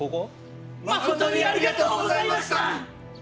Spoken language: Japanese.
まことにありがとうございました！